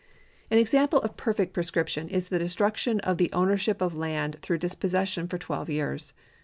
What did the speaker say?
An example of perfect prescription is the destruction of the ownership of land through dispossession for twelve years.